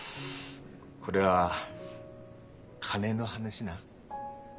これは金の話な？